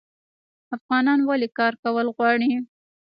افغانان ولې کار کول غواړي؟